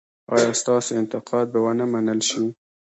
ایا ستاسو انتقاد به و نه منل شي؟